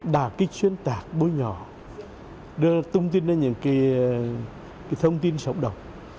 đảng kích xuyên tạc bối nhỏ đưa thông tin đến những thông tin sổng động